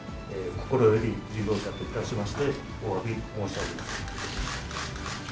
心より事業者といたしまして、おわび申し上げます。